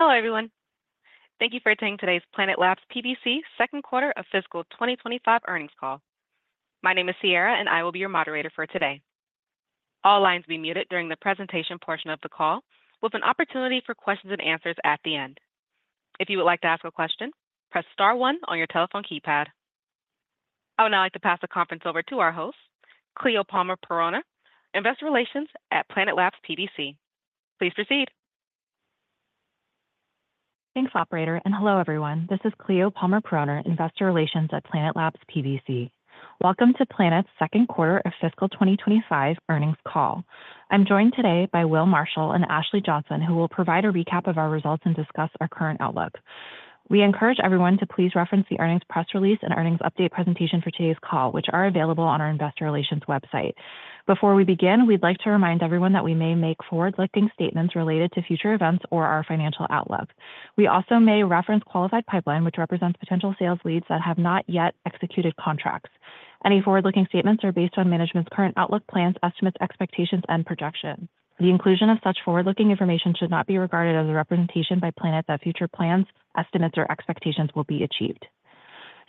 Hello, everyone. Thank you for attending today's Planet Labs PBC Q2 of fiscal 2025 Earnings Call. My name is Sierra, and I will be your moderator for today. All lines will be muted during the presentation portion of the call, with an opportunity for questions and answers at the end. If you would like to ask a question, press star one on your telephone keypad. I would now like to pass the conference over to our host, Cleo Palmer-Poroner, Director of Investor Relations at Planet Labs PBC. Please proceed. Thanks, operator, and hello, everyone. This is Cleo Palmer-Poroner, Director of Investor Relations at Planet Labs PBC. Welcome to Planet's Q2 of fiscal 2025 earnings call. I'm joined today by Will Marshall and Ashley Johnson, who will provide a recap of our results and discuss our current outlook. We encourage everyone to please reference the earnings press release and earnings update presentation for today's call, which are available on our investor relations website. Before we begin, we'd like to remind everyone that we may make forward-looking statements related to future events or our financial outlook. We also may reference qualified pipeline, which represents potential sales leads that have not yet executed contracts. Any forward-looking statements are based on management's current outlook, plans, estimates, expectations, and projections. The inclusion of such forward-looking information should not be regarded as a representation by Planet that future plans, estimates, or expectations will be achieved.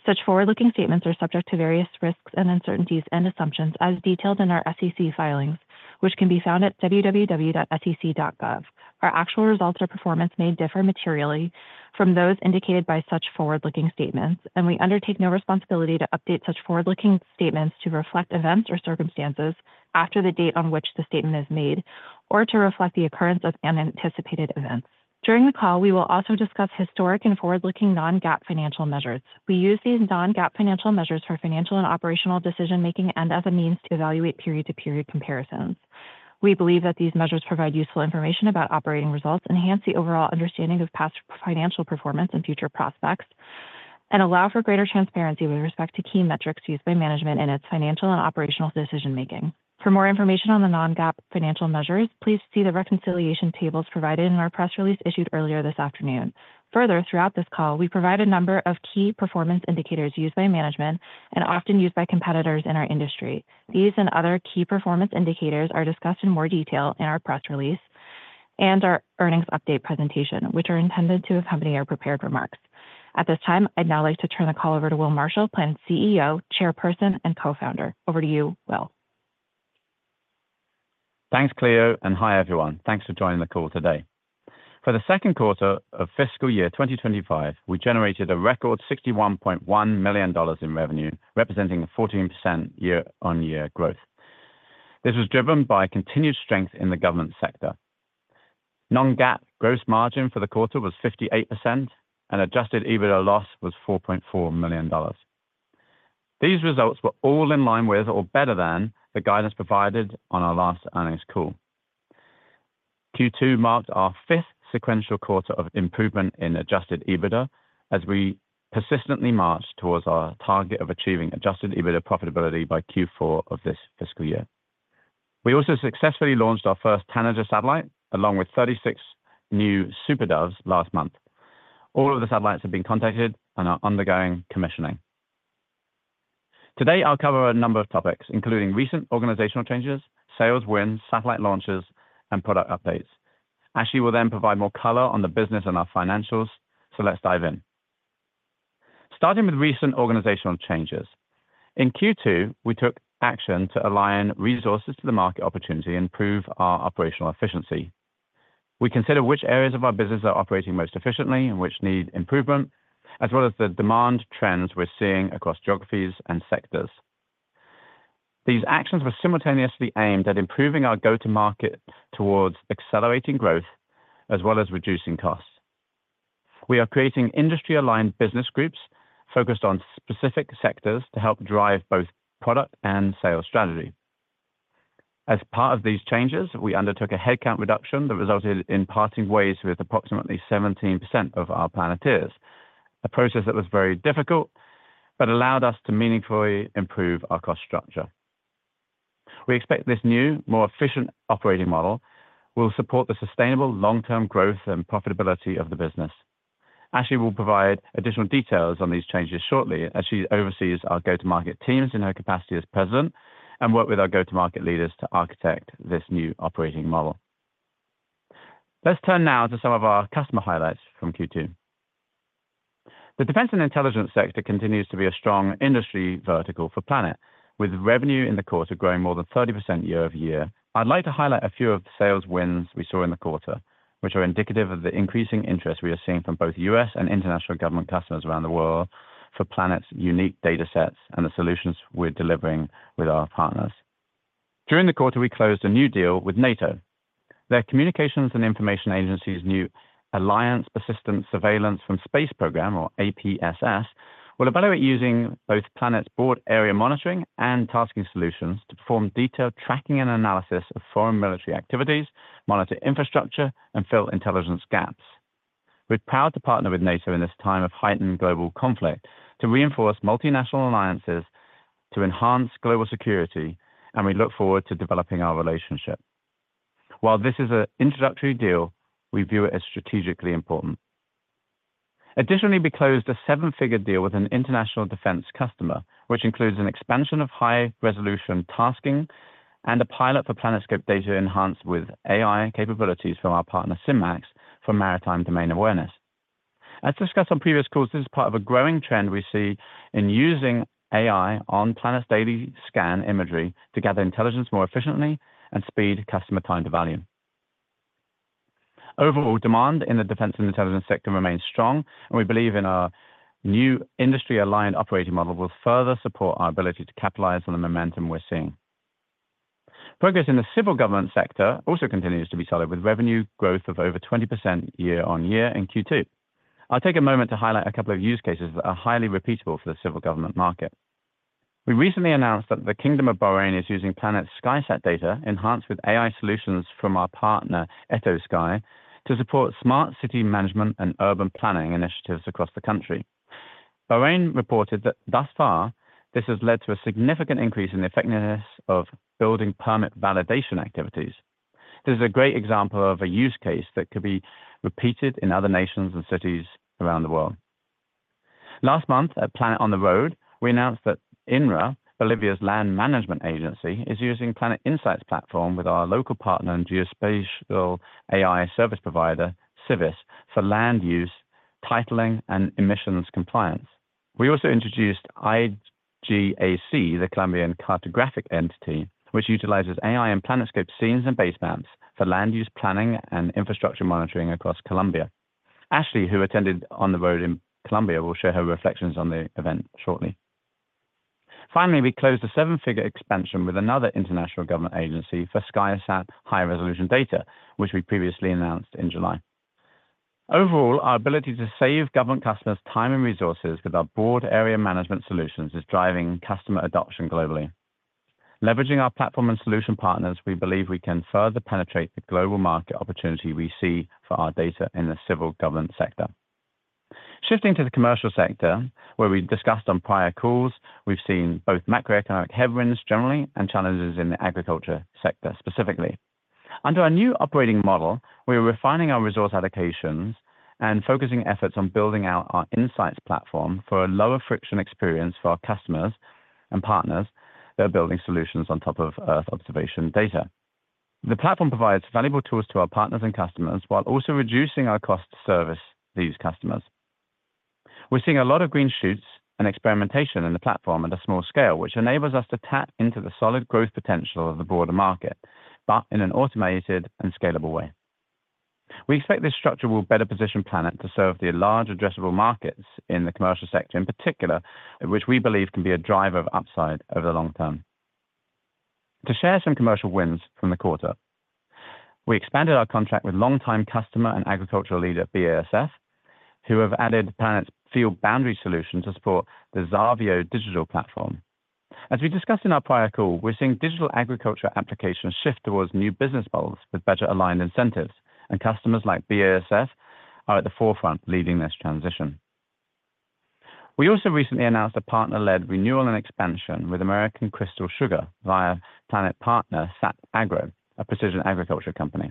Such forward-looking statements are subject to various risks and uncertainties and assumptions as detailed in our SEC filings, which can be found at www.sec.gov. Our actual results or performance may differ materially from those indicated by such forward-looking statements, and we undertake no responsibility to update such forward-looking statements to reflect events or circumstances after the date on which the statement is made or to reflect the occurrence of unanticipated events. During the call, we will also discuss historic and forward-looking Non-GAAP financial measures. We use these Non-GAAP financial measures for financial and operational decision-making and as a means to evaluate period-to-period comparisons. We believe that these measures provide useful information about operating results, enhance the overall understanding of past financial performance and future prospects, and allow for greater transparency with respect to key metrics used by management in its financial and operational decision-making. For more information on the non-GAAP financial measures, please see the reconciliation tables provided in our press release issued earlier this afternoon. Further, throughout this call, we provide a number of key performance indicators used by management and often used by competitors in our industry. These and other key performance indicators are discussed in more detail in our press release and our earnings update presentation, which are intended to accompany our prepared remarks. At this time, I'd now like to turn the call over to Will Marshall, Planet's CEO, Chairperson, and Co-founder. Over to you, Will. Thanks, Cleo, and hi, everyone. Thanks for joining the call today. For the Q2 of fiscal year 2025, we generated a record $61.1 million in revenue, representing a 14% year-on-year growth. This was driven by continued strength in the government sector. Non-GAAP gross margin for the quarter was 58%, and Adjusted EBITDA loss was $4.4 million. These results were all in line with or better than the guidance provided on our last earnings call. Q2 marked our fifth sequential quarter of improvement in Adjusted EBITDA, as we persistently march towards our target of achieving Adjusted EBITDA profitability by Q4 of this fiscal year. We also successfully launched our first Tanager satellite, along with 36 new SuperDoves last month. All of the satellites have been contacted and are undergoing commissioning. Today, I'll cover a number of topics, including recent organizational changes, sales wins, satellite launches, and product updates. Ashley will then provide more color on the business and our financials. So let's dive in. Starting with recent organizational changes. In Q2, we took action to align resources to the market opportunity and improve our operational efficiency. We consider which areas of our business are operating most efficiently and which need improvement, as well as the demand trends we're seeing across geographies and sectors. These actions were simultaneously aimed at improving our go-to-market towards accelerating growth as well as reducing costs. We are creating industry-aligned business groups focused on specific sectors to help drive both product and sales strategy. As part of these changes, we undertook a headcount reduction that resulted in parting ways with approximately 17% of our Planeteers, a process that was very difficult but allowed us to meaningfully improve our cost structure. We expect this new, more efficient operating model will support the sustainable long-term growth and profitability of the business. Ashley will provide additional details on these changes shortly, as she oversees our go-to-market teams in her capacity as President and works with our go-to-market leaders to architect this new operating model. Let's turn now to some of our customer highlights from Q2. The defense and intelligence sector continues to be a strong industry vertical for Planet, with revenue in the quarter growing more than 30% year-over-year. I'd like to highlight a few of the sales wins we saw in the quarter, which are indicative of the increasing interest we are seeing from both U.S. and international government customers around the world for Planet's unique data sets and the solutions we're delivering with our partners. During the quarter, we closed a new deal with NATO. Their communications and information agency's new Alliance Persistent Surveillance from Space program or APSS, will evaluate using both Planet's broad area monitoring and tasking solutions to perform detailed tracking and analysis of foreign military activities, monitor infrastructure, and fill intelligence gaps. We're proud to partner with NATO in this time of heightened global conflict to reinforce multinational alliances, to enhance global security, and we look forward to developing our relationship. While this is an introductory deal, we view it as strategically important. Additionally, we closed a seven-figure deal with an international defense customer, which includes an expansion of high-resolution tasking and a pilot for PlanetScope data enhanced with AI capabilities from our partner, SynMax, for maritime domain awareness. As discussed on previous calls, this is part of a growing trend we see in using AI on Planet's daily scan imagery to gather intelligence more efficiently and speed customer time to value. Overall, demand in the defense and intelligence sector remains strong, and we believe in our new industry-aligned operating model will further support our ability to capitalize on the momentum we're seeing. Progress in the civil government sector also continues to be solid, with revenue growth of over 20% year-on-year in Q2. I'll take a moment to highlight a couple of use cases that are highly repeatable for the civil government market. We recently announced that the Kingdom of Bahrain is using Planet SkySat data, enhanced with AI solutions from our partner, Aetosky, to support smart city management and urban planning initiatives across the country. Bahrain reported that thus far, this has led to a significant increase in the effectiveness of building permit validation activities. This is a great example of a use case that could be repeated in other nations and cities around the world. Last month, at Planet on the Road, we announced that INRA, Bolivia's land management agency, is using Planet Insights Platform with our local partner and geospatial AI service provider, Civis, for land use, titling, and emissions compliance. We also introduced IGAC, the Colombian cartographic entity, which utilizes AI and PlanetScope scenes and base maps for land use planning and infrastructure monitoring across Colombia. Ashley, who attended on the road in Colombia, will share her reflections on the event shortly. Finally, we closed a seven-figure expansion with another international government agency for SkySat high-resolution data, which we previously announced in July. Overall, our ability to save government customers time and resources with our broad area management solutions is driving customer adoption globally. Leveraging our platform and solution partners, we believe we can further penetrate the global market opportunity we see for our data in the civil government sector. Shifting to the commercial sector, where we discussed on prior calls, we've seen both macroeconomic headwinds generally and challenges in the agriculture sector, specifically. Under our new operating model, we are refining our resource allocations and focusing efforts on building out our insights platform for a lower friction experience for our customers and partners that are building solutions on top of Earth observation data. The platform provides valuable tools to our partners and customers, while also reducing our cost to service these customers. We're seeing a lot of green shoots and experimentation in the platform at a small scale, which enables us to tap into the solid growth potential of the broader market, but in an automated and scalable way. We expect this structure will better position Planet to serve the large addressable markets in the commercial sector, in particular, which we believe can be a driver of upside over the long term. To share some commercial wins from the quarter: we expanded our contract with longtime customer and agricultural leader, BASF, who have added Planet's field boundary solution to support the Xarvio digital platform. As we discussed in our prior call, we're seeing digital agriculture applications shift towards new business models with better aligned incentives, and customers like BASF are at the forefront leading this transition. We also recently announced a partner-led renewal and expansion with American Crystal Sugar via Planet partner, SatAgro, a precision agriculture company.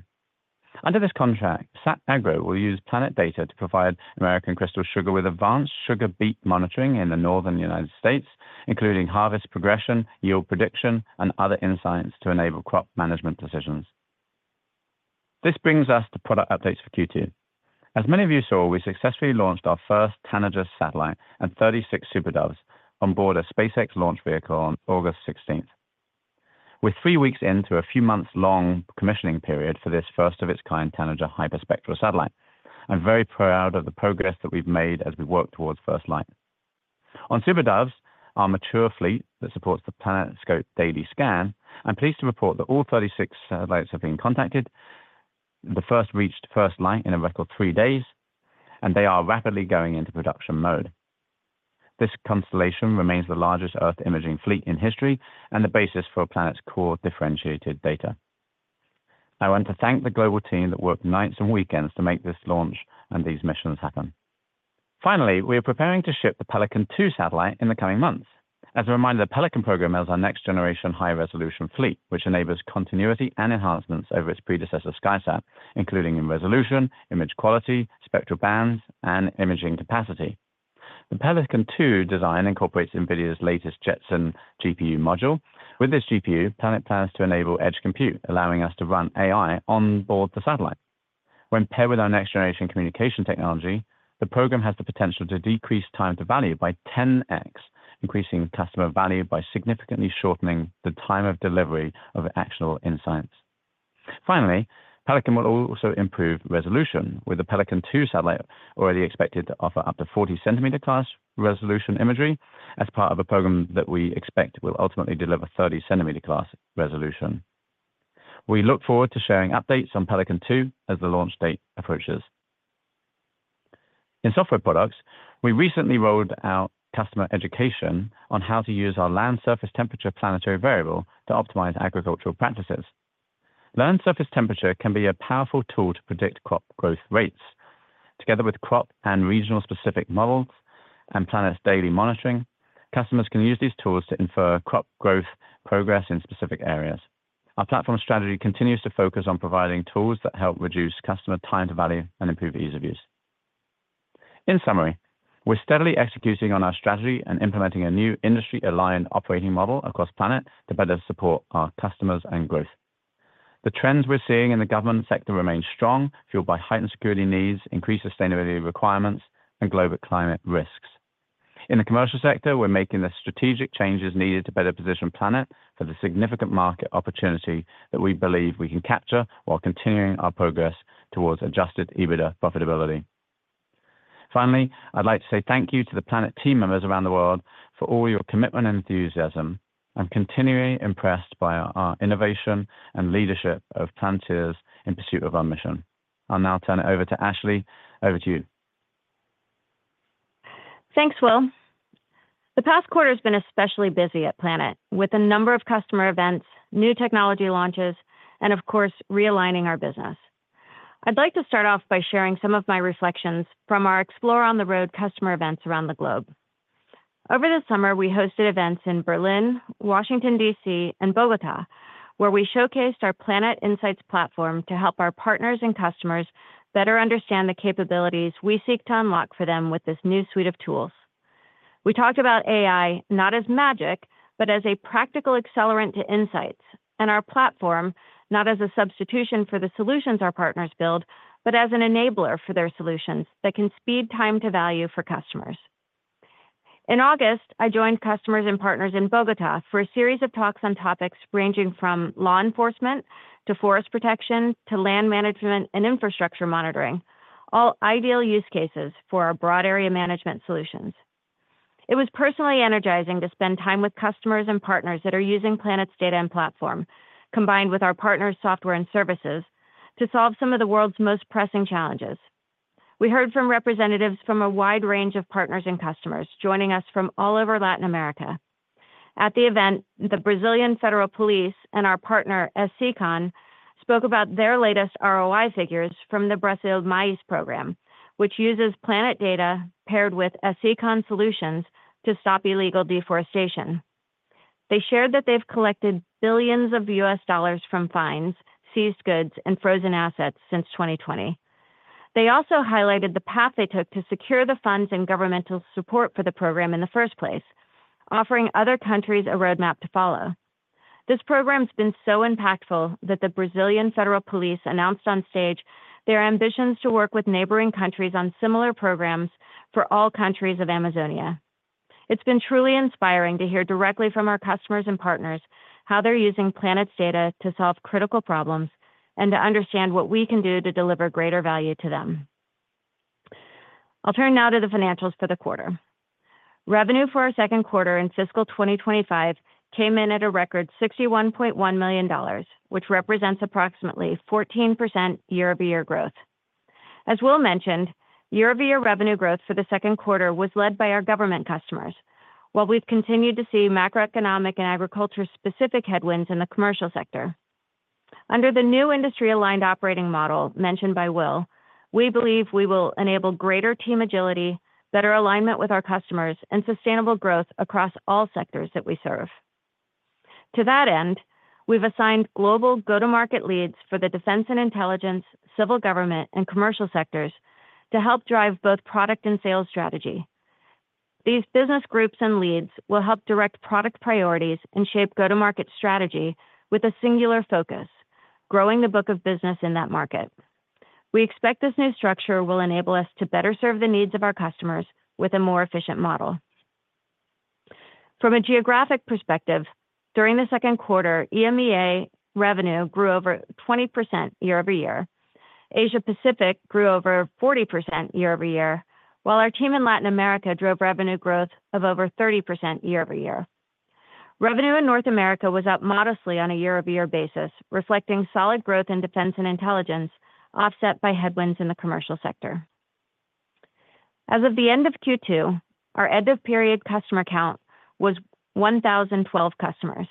Under this contract, SatAgro will use Planet data to provide American Crystal Sugar with advanced sugar beet monitoring in the Northern United States, including harvest progression, yield prediction, and other insights to enable crop management decisions. This brings us to product updates for Q2. As many of you saw, we successfully launched our first Tanager satellite and 36 SuperDoves on board a SpaceX launch vehicle on August 16th. We're three weeks into a few months-long commissioning period for this first-of-its-kind Tanager hyperspectral satellite. I'm very proud of the progress that we've made as we work towards first light. On SuperDoves, our mature fleet that supports the PlanetScope daily scan, I'm pleased to report that all satellites have been contacted. The first reached first light in a record three days, and they are rapidly going into production mode. This constellation remains the largest Earth imaging fleet in history and the basis for Planet's core differentiated data. I want to thank the global team that worked nights and weekends to make this launch and these missions happen. Finally, we are preparing to ship the Pelican-2 satellite in the coming months. As a reminder, the Pelican program is our next-generation high-resolution fleet, which enables continuity and enhancements over its predecessor, SkySat, including in resolution, image quality, spectral bands, and imaging capacity. The Pelican-2 design incorporates NVIDIA's latest Jetson GPU module. With this GPU, Planet plans to enable edge compute, allowing us to run AI on board the satellite. When paired with our next-generation communication technology, the program has the potential to decrease time to value by 10x, increasing customer value by significantly shortening the time of delivery of actionable insights. Finally, Pelican will also improve resolution, with the Pelican-2 satellite already expected to offer up to 40-centimeter-class resolution imagery as part of a program that we expect will ultimately deliver 30-centimeter-class resolution. We look forward to sharing updates on Pelican-2 as the launch date approaches. In software products, we recently rolled out customer education on how to use our land surface temperature planetary variable to optimize agricultural practices. Land surface temperature can be a powerful tool to predict crop growth rates. Together with crop and regional-specific models and Planet's daily monitoring, customers can use these tools to infer crop growth progress in specific areas. Our platform strategy continues to focus on providing tools that help reduce customer time to value and improve ease of use. In summary, we're steadily executing on our strategy and implementing a new industry-aligned operating model across Planet to better support our customers and growth. The trends we're seeing in the government sector remain strong, fueled by heightened security needs, increased sustainability requirements, and global climate risks. In the commercial sector, we're making the strategic changes needed to better position Planet for the significant market opportunity that we believe we can capture while continuing our progress towards Adjusted EBITDA profitability. Finally, I'd like to say thank you to the Planet team members around the world for all your commitment and enthusiasm. I'm continually impressed by our innovation and leadership of Planeteers in pursuit of our mission. I'll now turn it over to Ashley. Over to you. Thanks, Will. The past quarter has been especially busy at Planet, with a number of customer events, new technology launches, and of course, realigning our business. I'd like to start off by sharing some of my reflections from our Explore on the Road customer events around the globe. Over the summer, we hosted events in Berlin, Washington, DC, and Bogotá, where we showcased our Planet Insights Platform to help our partners and customers better understand the capabilities we seek to unlock for them with this new suite of tools. We talked about AI, not as magic, but as a practical accelerant to insights, and our platform, not as a substitution for the solutions our partners build, but as an enabler for their solutions that can speed time to value for customers. In August, I joined customers and partners in Bogotá for a series of talks on topics ranging from law enforcement to forest protection, to land management and infrastructure monitoring, all ideal use cases for our broad area management solutions. It was personally energizing to spend time with customers and partners that are using Planet's data and platform, combined with our partners' software and services, to solve some of the world's most pressing challenges. We heard from representatives from a wide range of partners and customers joining us from all over Latin America. At the event, the Brazilian Federal Police and our partner, SCCON, spoke about their latest ROI figures from the Brasil MAIS program, which uses Planet data paired with SCCON solutions to stop illegal deforestation. They shared that they've collected billions of U.S. Dollars from fines, seized goods, and frozen assets since 2020. They also highlighted the path they took to secure the funds and governmental support for the program in the first place, offering other countries a roadmap to follow. This program's been so impactful that the Brazilian Federal Police announced on stage their ambitions to work with neighboring countries on similar programs for all countries of Amazonia. It's been truly inspiring to hear directly from our customers and partners how they're using Planet's data to solve critical problems, and to understand what we can do to deliver greater value to them. I'll turn now to the financials for the quarter. Revenue for our Q2 in fiscal 2025 came in at a record $61.1 million, which represents approximately 14% year-over-year growth. As Will mentioned, year-over-year revenue growth for the Q2 was led by our government customers, while we've continued to see macroeconomic and agriculture-specific headwinds in the commercial sector. Under the new industry-aligned operating model mentioned by Will, we believe we will enable greater team agility, better alignment with our customers, and sustainable growth across all sectors that we serve. To that end, we've assigned global go-to-market leads for the defense and intelligence, civil government, and commercial sectors to help drive both product and sales strategy. These business groups and leads will help direct product priorities and shape go-to-market strategy with a singular focus: growing the book of business in that market. We expect this new structure will enable us to better serve the needs of our customers with a more efficient model. From a geographic perspective, during the Q2, EMEA revenue grew over 20% year-over-year. Asia Pacific grew over 40% year-over-year, while our team in Latin America drove revenue growth of over 30% year-over-year. Revenue in North America was up modestly on a year-over-year basis, reflecting solid growth in defense and intelligence, offset by headwinds in the commercial sector. As of the end of Q2, our end-of-period customer count was 1,012 customers.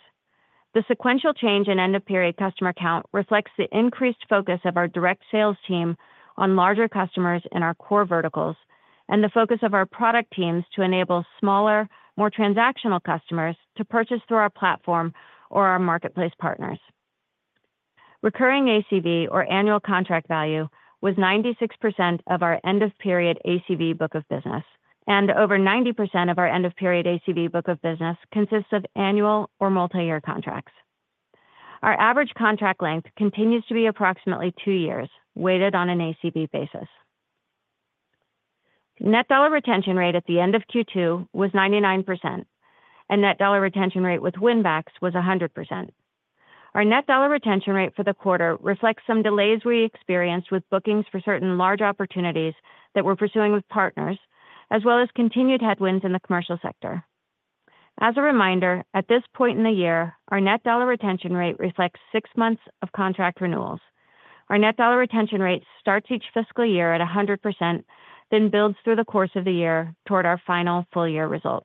The sequential change in end-of-period customer count reflects the increased focus of our direct sales team on larger customers in our core verticals, and the focus of our product teams to enable smaller, more transactional customers to purchase through our platform or our marketplace partners. Recurring ACV or annual contract value was 96% of our end-of-period ACV book of business, and over 90% of our end-of-period ACV book of business consists of annual or multi-year contracts. Our average contract length continues to be approximately two years, weighted on an ACV basis. Net dollar retention rate at the end of Q2 was 99%, and net dollar retention rate with win backs was 100%. Our net dollar retention rate for the quarter reflects some delays we experienced with bookings for certain large opportunities that we're pursuing with partners, as well as continued headwinds in the commercial sector. As a reminder, at this point in the year, our net dollar retention rate reflects six months of contract renewals. Our net dollar retention rate starts each fiscal year at 100%, then builds through the course of the year toward our final full year result.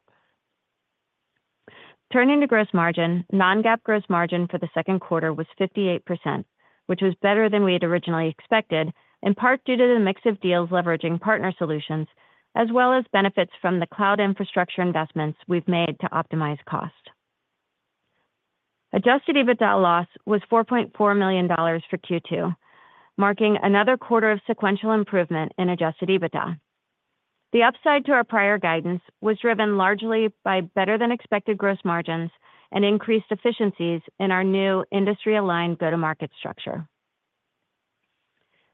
Turning to gross margin, non-GAAP gross margin for the Q2 was 58%. which was better than we had originally expected, in part due to the mix of deals leveraging partner solutions, as well as benefits from the cloud infrastructure investments we've made to optimize cost. Adjusted EBITDA loss was $4.4 million for Q2, marking another quarter of sequential improvement in adjusted EBITDA. The upside to our prior guidance was driven largely by better-than-expected gross margins and increased efficiencies in our new industry-aligned go-to-market structure.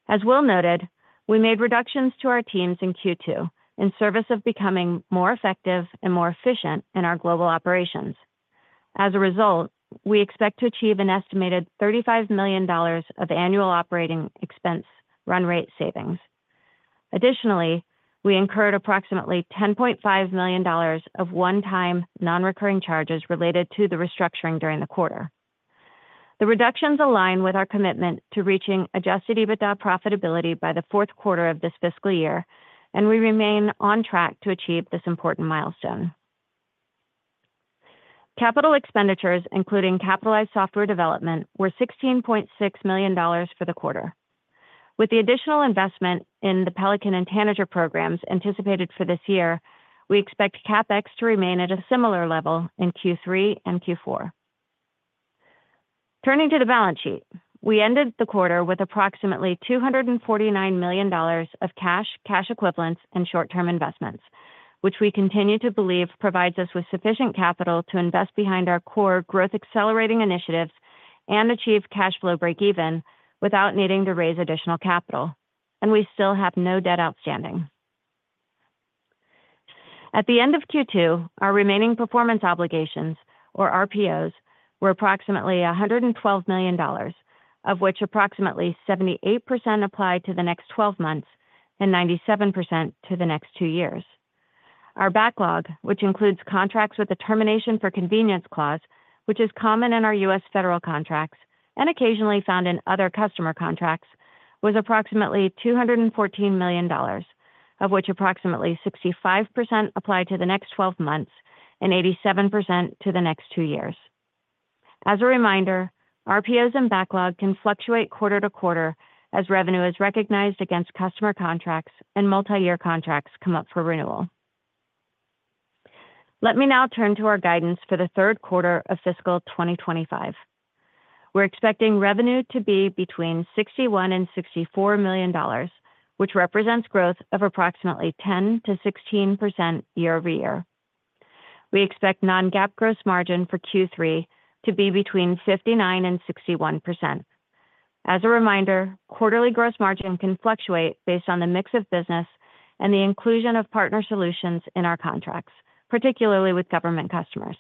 As Will noted, we made reductions to our teams in Q2 in service of becoming more effective and more efficient in our global operations. As a result, we expect to achieve an estimated $35 million of annual operating expense run rate savings. Additionally, we incurred approximately $10.5 million of one-time, non-recurring charges related to the restructuring during the quarter. The reductions align with our commitment to reaching adjusted EBITDA profitability by the Q4 of this fiscal year, and we remain on track to achieve this important milestone. Capital expenditures, including capitalized software development, were $16.6 million for the quarter. With the additional investment in the Pelican and Tanager programs anticipated for this year, we expect CapEx to remain at a similar level in Q3 and Q4. Turning to the balance sheet. We ended the quarter with approximately $249 million of cash, cash equivalents, and short-term investments, which we continue to believe provides us with sufficient capital to invest behind our core growth accelerating initiatives and achieve cash flow breakeven without needing to raise additional capital, and we still have no debt outstanding. At the end of Q2, our remaining performance obligations, or RPOs, were approximately $112 million, of which approximately 78% apply to the next 12 months and 97% to the next two years. Our backlog, which includes contracts with the termination for convenience clause, which is common in our U.S. federal contracts and occasionally found in other customer contracts, was approximately $214 million, of which approximately 65% apply to the next twelve months and 87% to the next two years. As a reminder, RPOs and backlog can fluctuate quarter-to-quarter as revenue is recognized against customer contracts and multi-year contracts come up for renewal. Let me now turn to our guidance for the Q3 of fiscal 2025. We're expecting revenue to be between $61 million and $64 million, which represents growth of approximately 10% to 16% year-over-year. We expect non-GAAP gross margin for Q3 to be between 59% and 61%. As a reminder, quarterly gross margin can fluctuate based on the mix of business and the inclusion of partner solutions in our contracts, particularly with government customers.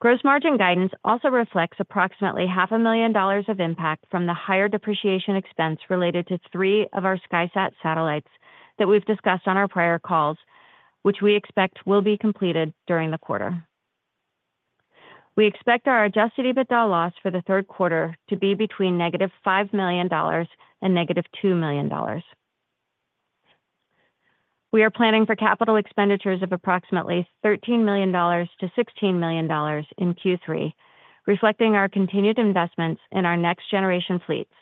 Gross margin guidance also reflects approximately $500,000 of impact from the higher depreciation expense related to three of our SkySat satellites that we've discussed on our prior calls, which we expect will be completed during the quarter. We expect our adjusted EBITDA loss for the Q3 to be between -$5 million and -$2 million. We are planning for capital expenditures of approximately $13 million to $16 million in Q3, reflecting our continued investments in our next-generation fleets,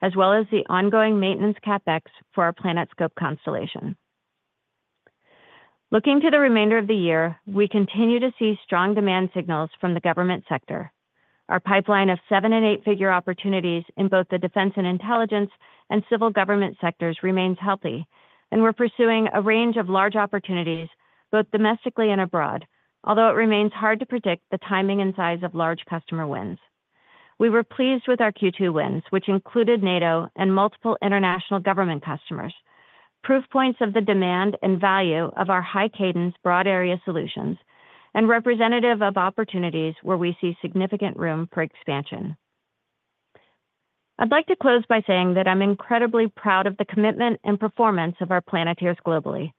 as well as the ongoing maintenance CapEx for our PlanetScope constellation. Looking to the remainder of the year, we continue to see strong demand signals from the government sector. Our pipeline of 7 and 8-figure opportunities in both the defense and intelligence and civil government sectors remains healthy, and we're pursuing a range of large opportunities both domestically and abroad, although it remains hard to predict the timing and size of large customer wins. We were pleased with our Q2 wins, which included NATO and multiple international government customers. Proof points of the demand and value of our high-cadence, broad-area solutions and representative of opportunities where we see significant room for expansion. I'd like to close by saying that I'm incredibly proud of the commitment and performance of our Planeteers globally.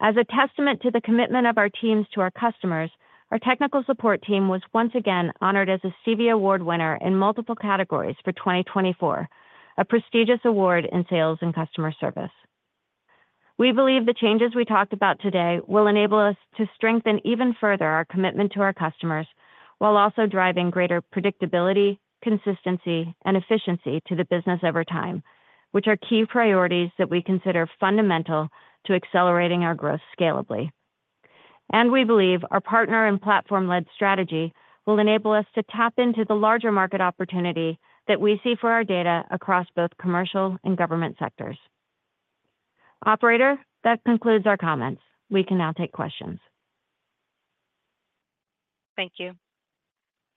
As a testament to the commitment of our teams to our customers, our technical support team was once again honored as a Stevie Award winner in multiple categories for 2024, a prestigious award in sales and customer service. We believe the changes we talked about today will enable us to strengthen even further our commitment to our customers, while also driving greater predictability, consistency, and efficiency to the business over time, which are key priorities that we consider fundamental to accelerating our growth scalably, and we believe our partner and platform-led strategy will enable us to tap into the larger market opportunity that we see for our data across both commercial and government sectors. Operator, that concludes our comments. We can now take questions. Thank you.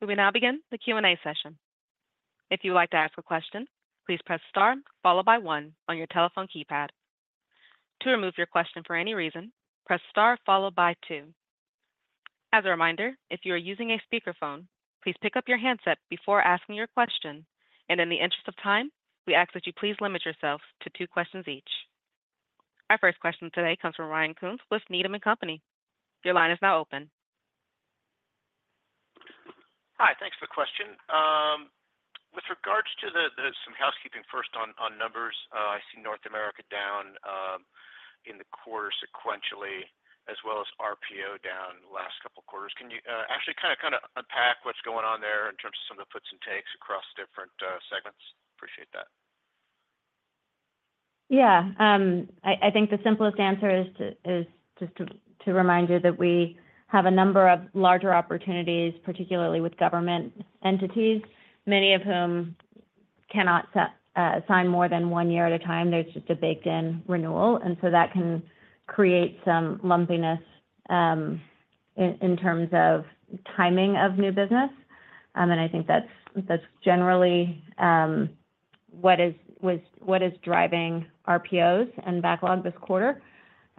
We will now begin the Q&A session. If you would like to ask a question, please press star followed by one on your telephone keypad. To remove your question for any reason, press star followed by two. As a reminder, if you are using a speakerphone, please pick up your handset before asking your question, and in the interest of time, we ask that you please limit yourself to two questions each. Our first question today comes from Ryan Koontz with Needham & Company. Your line is now open. Hi, thanks for the question. With regards to some housekeeping first on numbers. I see North America down in the quarter sequentially, as well as RPO down the last couple of quarters. Can you actually kind of unpack what's going on there in terms of some of the puts and takes across different segments? Appreciate that. Yeah. I think the simplest answer is just to remind you that we have a number of larger opportunities, particularly with government entities, many of whom cannot sign more than one year at a time. There's just a baked-in renewal, and so that can create some lumpiness in terms of timing of new business. And I think that's generally what is driving RPOs and backlog this quarter.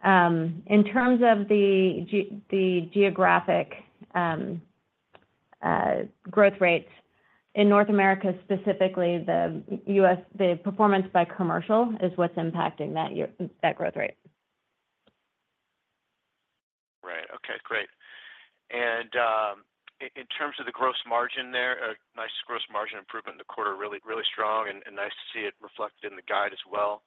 In terms of the geographic growth rates in North America, specifically the U.S., the performance by commercial is what's impacting that year, that growth rate. Right. Okay, great. And, in terms of the gross margin there, a nice gross margin improvement in the quarter, really, really strong, and nice to see it reflected in the guide as well.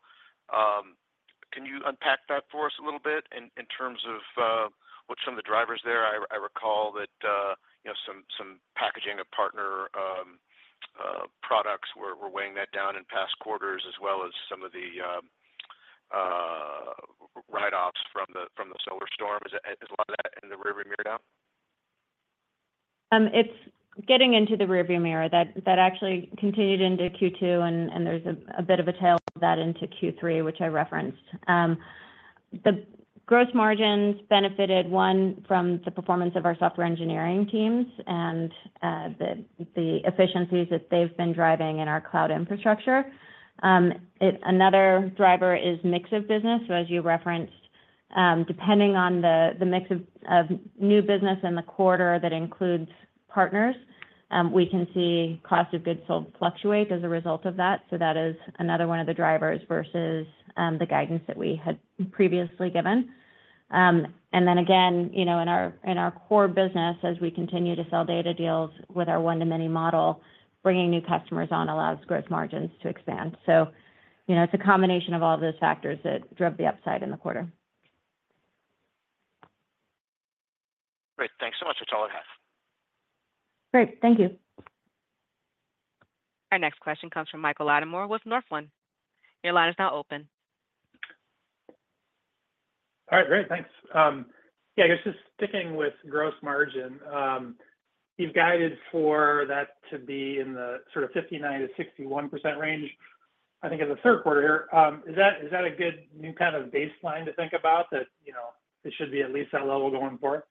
Can you unpack that for us a little bit in terms of what some of the drivers there? I recall that, you know, some packaging of partner products were weighing that down in past quarters, as well as some of the write-offs from the solar storm. Is a lot of that in the rearview mirror now? It's getting into the rearview mirror. That actually continued into Q2, and there's a bit of a tail of that into Q3, which I referenced. The gross margins benefited, one, from the performance of our software engineering teams and the efficiencies that they've been driving in our cloud infrastructure. Another driver is mix of business. So as you referenced, depending on the mix of new business in the quarter that includes partners, we can see cost of goods sold fluctuate as a result of that. So that is another one of the drivers versus the guidance that we had previously given. And then again, you know, in our core business, as we continue to sell data deals with our one-to-many model, bringing new customers on allows gross margins to expand. So, you know, it's a combination of all those factors that drove the upside in the quarter. Great. Thanks so much. That's all I have. Great. Thank you. Our next question comes from Mike Latimore with Northland. Your line is now open. All right. Great, thanks. Yeah, I guess just sticking with gross margin, you've guided for that to be in the sort of 59% to 61% range, I think, in the Q3. Is that, is that a good new kind of baseline to think about that, you know, it should be at least that level going forward?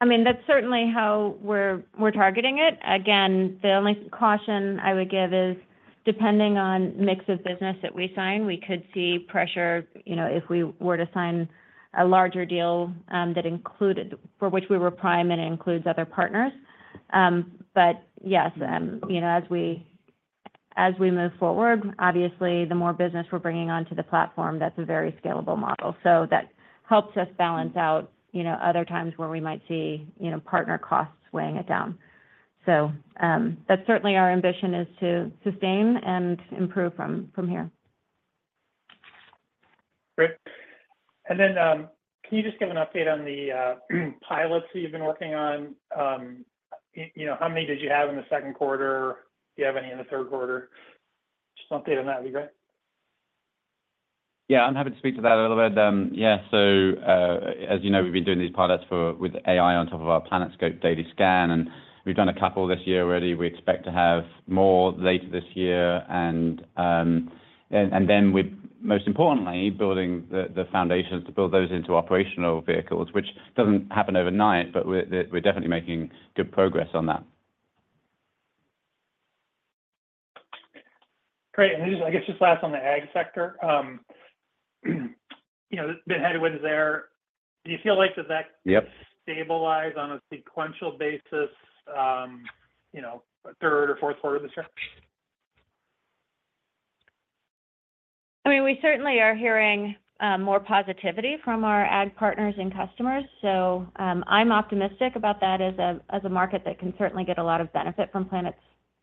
I mean, that's certainly how we're targeting it. Again, the only caution I would give is, depending on mix of business that we sign, we could see pressure, you know, if we were to sign a larger deal, that included for which we were prime, and it includes other partners. But yes, you know, as we move forward, obviously, the more business we're bringing onto the platform, that's a very scalable model. So that helps us balance out, you know, other times where we might see, you know, partner costs weighing it down. So, that's certainly our ambition is to sustain and improve from here. Great. And then, can you just give an update on the pilots that you've been working on? You know, how many did you have in the Q2? Do you have any in the Q3? Just an update on that would be great. Yeah, I'm happy to speak to that a little bit. Yeah, so, as you know, we've been doing these pilots with AI on top of our PlanetScope daily scan, and we've done a couple this year already. We expect to have more later this year, and then we're, most importantly, building the foundations to build those into operational vehicles, which doesn't happen overnight, but we're definitely making good progress on that. Great. And I guess just last on the ag sector, you know, the headwinds there, do you feel like that that Yep stabilize on a sequential basis, you know, Q3 or Q4 of this year? I mean, we certainly are hearing more positivity from our ag partners and customers, so I'm optimistic about that as a market that can certainly get a lot of benefit from Planet's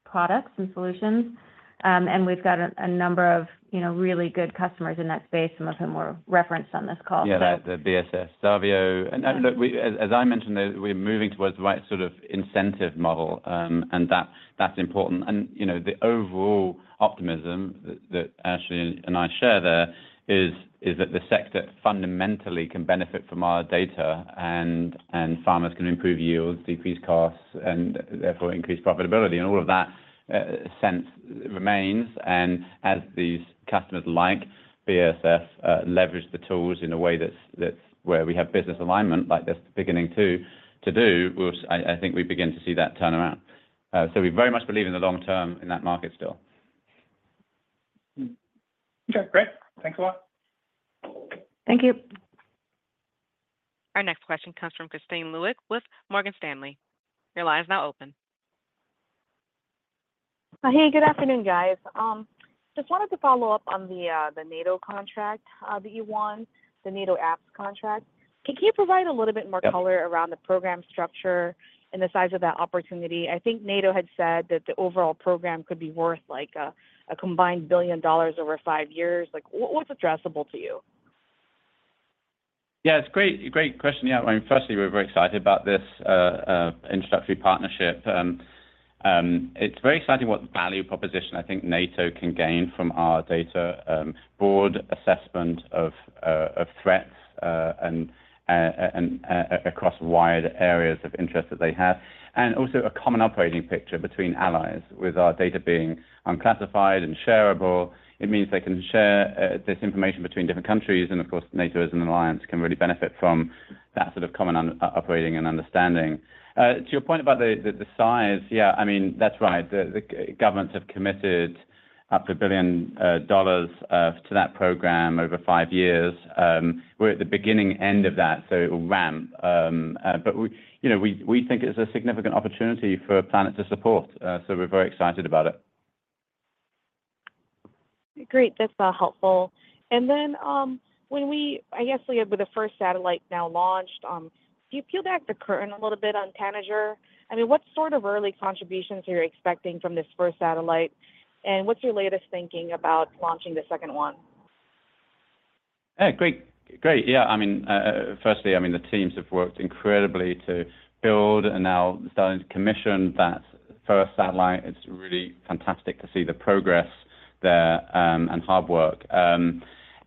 products and solutions. And we've got a number of, you know, really good customers in that space, some of whom were referenced on this call. Yeah, the BASF, Xarvio. And look, we as I mentioned, we're moving towards the right sort of incentive model, and that's important. And, you know, the overall optimism that Ashley and I share there is that the sector fundamentally can benefit from our data, and farmers can improve yields, decrease costs, and therefore increase profitability. And all of that sense remains, and as these customers, like BASF, leverage the tools in a way that's where we have business alignment, like they're beginning to do, I think we begin to see that turn around. So we very much believe in the long term in that market still. Okay, great. Thanks a lot. Thank you. Our next question comes from Kristine Liwag with Morgan Stanley. Your line is now open. Hey, good afternoon, guys. Just wanted to follow up on the NATO contract that you won, the NATO APSS contract. Can you provide a little bit more color? Yep around the program structure and the size of that opportunity? I think NATO had said that the overall program could be worth, like, a combined $1 billion over five years. Like, what's addressable to you? Yeah, it's great, great question. Yeah, I mean, firstly, we're very excited about this, introductory partnership. It's very exciting what value proposition I think NATO can gain from our data, broad assessment of threats, and across wide areas of interest that they have, and also a common operating picture between allies, with our data being unclassified and shareable. It means they can share this information between different countries, and of course, NATO as an alliance, can really benefit from that sort of common operating and understanding. To your point about the size, yeah, I mean, that's right. The governments have committed up to $1 billion to that program over five years. We're at the beginning end of that, so it will ramp. But we, you know, think it's a significant opportunity for Planet to support, so we're very excited about it. Great. That's helpful. And then, I guess with the first satellite now launched, can you peel back the curtain a little bit on Tanager? I mean, what sort of early contributions are you expecting from this first satellite, and what's your latest thinking about launching the second one? Great. Great, yeah. I mean, firstly, I mean, the teams have worked incredibly to build and now starting to commission that first satellite. It's really fantastic to see the progress there, and hard work.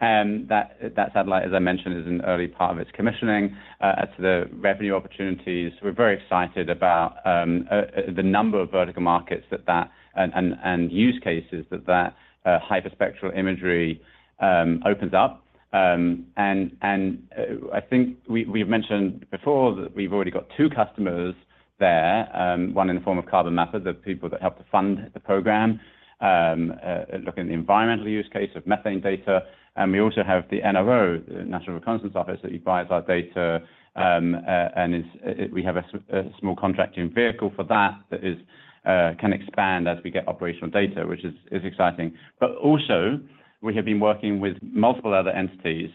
That satellite, as I mentioned, is in early part of its commissioning. As to the revenue opportunities, we're very excited about the number of vertical markets and use cases that hyperspectral imagery opens up. I think we, we've mentioned before that we've already got two customers there, one in the form of Carbon Mapper, the people that helped to fund the program, looking at the environmental use case of methane data. And we also have the NRO, National Reconnaissance Office, that buys our data, and we have a small contracting vehicle for that, that can expand as we get operational data, which is exciting. But also, we have been working with multiple other entities,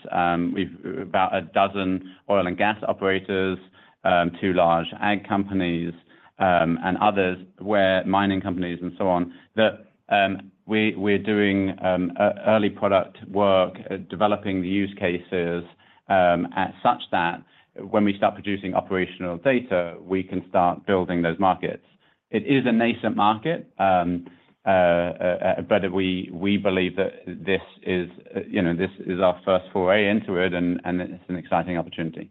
we've about a dozen oil and gas operators, two large ag companies, and others, where mining companies and so on. That, we're doing early product work, developing the use cases, at such that when we start producing operational data, we can start building those markets. It is a nascent market, but we believe that this is, you know, this is our first foray into it, and it's an exciting opportunity.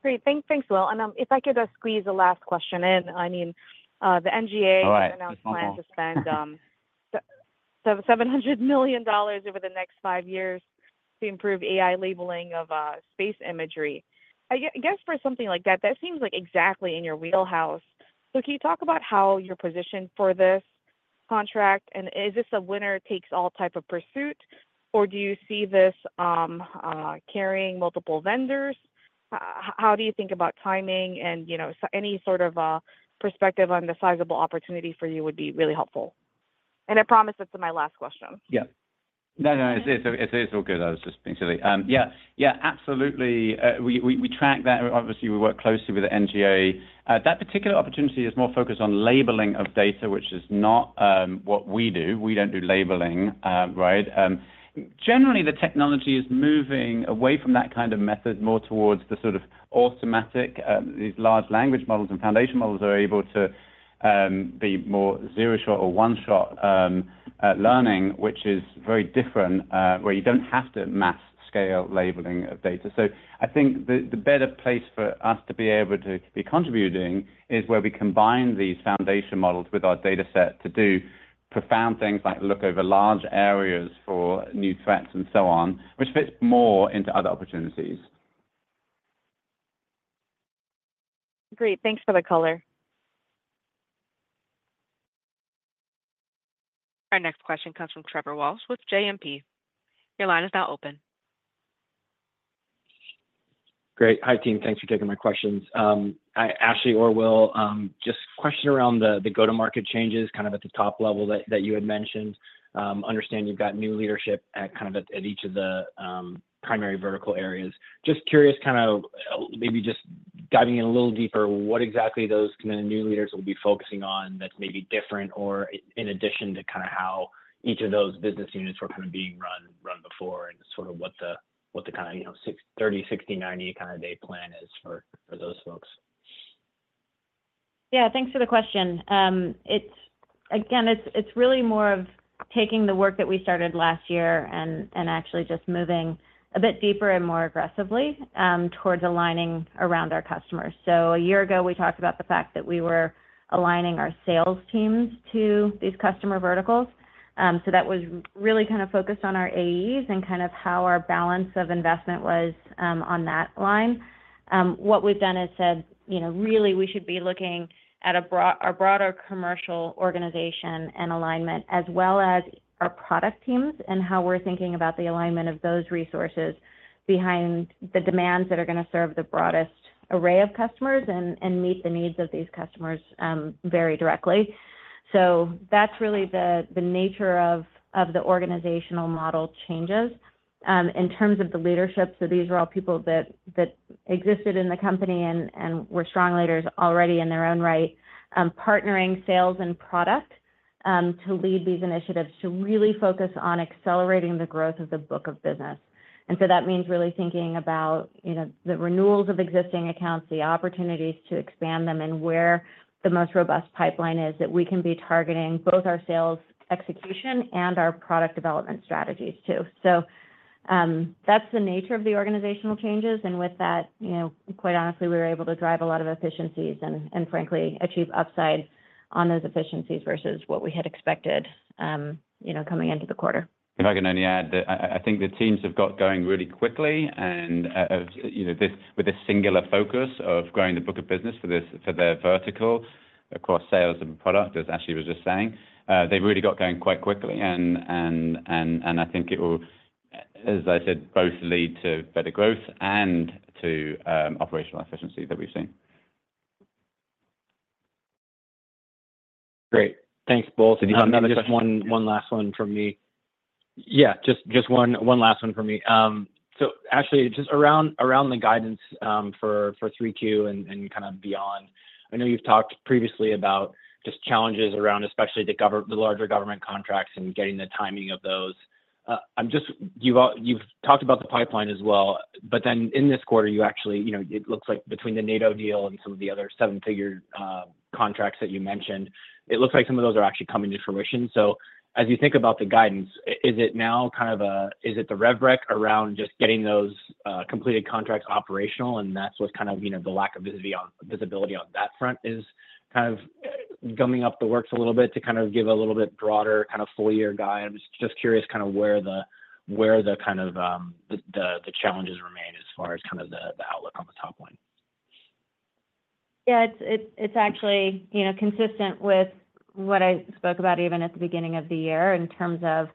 Great. Thanks, Will. And, if I could just squeeze a last question in. I mean, the NGA All right announced plans to spend $700 million over the next five years to improve AI labeling of space imagery. I guess for something like that, that seems like exactly in your wheelhouse. So can you talk about how you're positioned for this contract, and is this a winner-takes-all type of pursuit, or do you see this carrying multiple vendors? How do you think about timing and, you know, so any sort of perspective on the sizable opportunity for you would be really helpful. And I promise this is my last question. Yeah. No, no, it is all good. I was just being silly. Yeah, absolutely. We track that. Obviously, we work closely with the NGA. That particular opportunity is more focused on labeling of data, which is not what we do. We don't do labeling, right? Generally, the technology is moving away from that kind of method, more towards the sort of automatic. These large language models and foundation models are able to be more zero shot or one shot learning, which is very different, where you don't have to mass scale labeling of data. I think the better place for us to be able to be contributing is where we combine these foundation models with our data set to do profound things, like look over large areas for new threats and so on, which fits more into other opportunities. Great, thanks for the color. Our next question comes from Trevor Walsh from JMP. Your line is now open. Great. Hi, team. Thanks for taking my questions. Ashley or Will, just a question around the go-to-market changes, kind of at the top level that you had mentioned. Understand you've got new leadership at kind of at each of the primary vertical areas. Just curious, kind of, maybe just diving in a little deeper, what exactly those new leaders will be focusing on that's maybe different or in addition to kind of how each of those business units were kind of being run before, and sort of what the kind of, you know, 30, 60, 90-day plan is for those folks? Yeah, thanks for the question. Again, it's really more of taking the work that we started last year and actually just moving a bit deeper and more aggressively towards aligning around our customers. So a year ago, we talked about the fact that we were aligning our sales teams to these customer verticals. So that was really kind of focused on our AEs and kind of how our balance of investment was on that line. What we've done is said, you know, really we should be looking at a broader commercial organization and alignment, as well as our product teams and how we're thinking about the alignment of those resources behind the demands that are gonna serve the broadest array of customers and meet the needs of these customers very directly. So that's really the nature of the organizational model changes. In terms of the leadership, so these are all people that existed in the company and were strong leaders already in their own right, partnering sales and product to lead these initiatives, to really focus on accelerating the growth of the book of business. And so that means really thinking about, you know, the renewals of existing accounts, the opportunities to expand them, and where the most robust pipeline is that we can be targeting both our sales execution and our product development strategies, too. So that's the nature of the organizational changes, and with that, you know, quite honestly, we were able to drive a lot of efficiencies and frankly, achieve upside on those efficiencies versus what we had expected, you know, coming into the quarter. If I can only add, that I think the teams have got going really quickly, and, you know, this with a singular focus of growing the book of business for this, for their vertical, across sales and product, as Ashley was just saying. They've really got going quite quickly, and I think it will, as I said, both lead to better growth and to operational efficiency that we've seen. Great. Thanks, both. Just one last one from me. Yeah, just one last one for me. So Ashley, just around the guidance for Q3 and kind of beyond, I know you've talked previously about just challenges around, especially the larger government contracts and getting the timing of those. You've talked about the pipeline as well, but then in this quarter, you actually, you know, it looks like between the NATO deal and some of the other seven-figure contracts that you mentioned, it looks like some of those are actually coming to fruition. As you think about the guidance, is it now kind of a, is it the rev rec around just getting those completed contracts operational, and that's what's kind of, you know, the lack of visibility on that front is kind of gumming up the works a little bit to kind of give a little bit broader, kind of full year guide? I'm just curious kind of where the kind of challenges remain as far as kind of the outlook on the top line. Yeah, it's actually, you know, consistent with what I spoke about even at the beginning of the year, in terms of,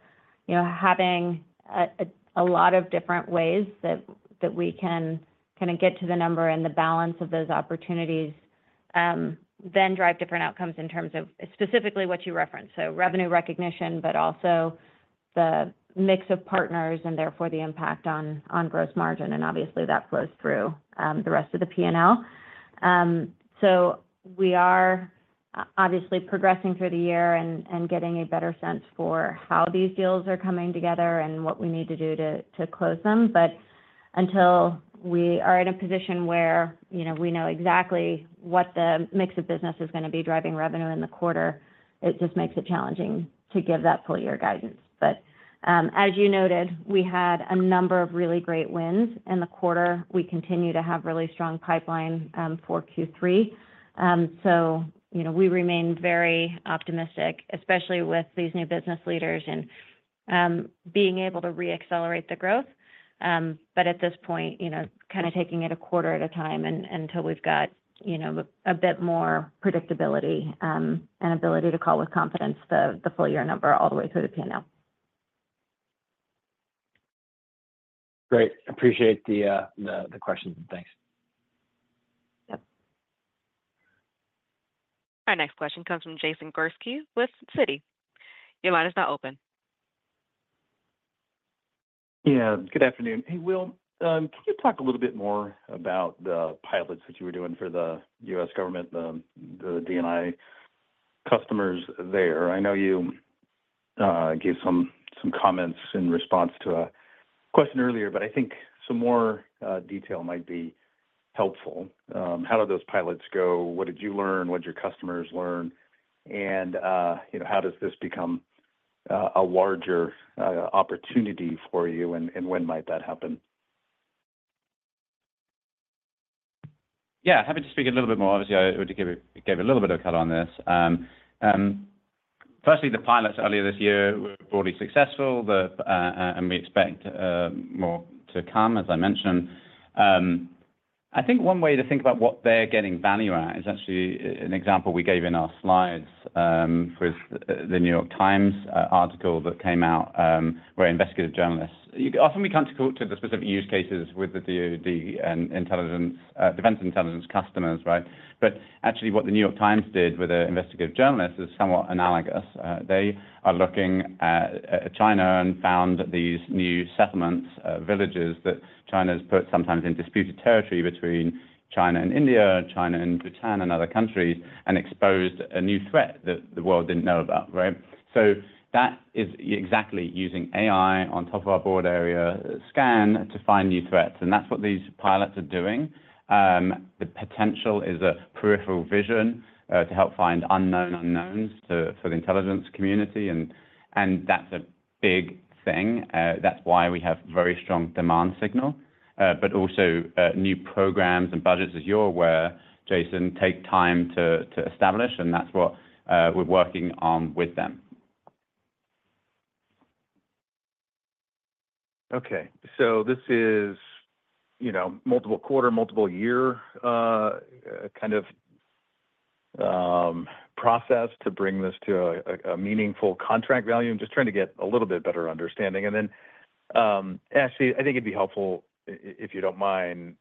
you know, having a lot of different ways that we can kinda get to the number and the balance of those opportunities, then drive different outcomes in terms of specifically what you referenced, so revenue recognition, but also the mix of partners and therefore the impact on gross margin, and obviously, that flows through the rest of the P&L, so we are obviously progressing through the year and getting a better sense for how these deals are coming together and what we need to do to close them. But until we are in a position where, you know, we know exactly what the mix of business is gonna be driving revenue in the quarter, it just makes it challenging to give that full year guidance. But, as you noted, we had a number of really great wins in the quarter. We continue to have really strong pipeline, for Q3. So, you know, we remain very optimistic, especially with these new business leaders and, being able to reaccelerate the growth. But at this point, you know, kind of taking it a quarter at a time and, until we've got, you know, a bit more predictability, and ability to call with confidence the full year number all the way through the P&L. Great. Appreciate the questions, and thanks. Yep. Our next question comes from Jason Gursky with Citi. Your line is now open. Yeah, good afternoon. Hey, Will, can you talk a little bit more about the pilots that you were doing for the U.S. Government, the D&I customers there? I know you gave some comments in response to a question earlier, but I think some more detail might be helpful. How did those pilots go? What did you learn? What did your customers learn? And you know, how does this become a larger opportunity for you, and when might that happen? Yeah, happy to speak a little bit more. Obviously, I already gave a little bit of a cut on this. Firstly, the pilots earlier this year were broadly successful, and we expect more to come, as I mentioned. I think one way to think about what they're getting value at is actually an example we gave in our slides, with the New York Times article that came out, where investigative journalists. Often, we come to the specific use cases with the DOD and intelligence, defense intelligence customers, right? But actually, what The New York Times did with their investigative journalists is somewhat analogous. They are looking at China and found these new settlements, villages that China's put sometimes in disputed territory between China and India, China and Bhutan, and other countries, and exposed a new threat that the world didn't know about, right? So that is exactly using AI on top of our broad area, scan to find new threats, and that's what these pilots are doing. The potential is a peripheral vision to help find unknown unknowns for the intelligence community, and that's a big thing. That's why we have very strong demand signal, but also, new programs and budgets, as you're aware, Jason, take time to establish, and that's what we're working on with them. Okay. So this is, you know, multiple quarter, multiple year, kind of, process to bring this to a meaningful contract value? I'm just trying to get a little bit better understanding. And then, Ashley, I think it'd be helpful, if you don't mind,